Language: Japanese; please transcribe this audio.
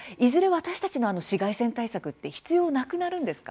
私たちの紫外線対策って必要なくなるんですか？